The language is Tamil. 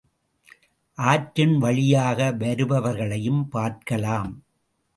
ஆற்றின் வழியாக வருபவர்களையும் பார்க்கலாம்.